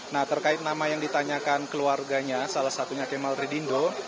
nah terkait nama yang ditanyakan keluarganya salah satunya kemal tridindo